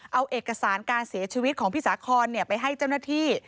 เอาเอกสารการเสียชีวิตของพี่สาคอนไปให้เจ้าหน้าที่